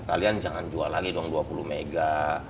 kalian jangan jual lagi dong dua puluh mega